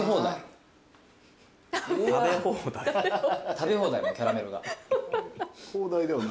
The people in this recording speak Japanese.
食べ放題キャラメルが。